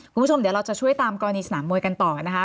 คุณผู้ชมเดี๋ยวเราจะช่วยตามกรณีสนามมวยกันต่อนะคะ